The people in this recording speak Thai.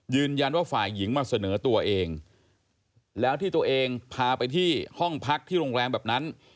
ว่าฝ่ายหญิงมาเสนอตัวเองแล้วที่ตัวเองพาไปที่ห้องพักที่โรงแรมแบบนั้น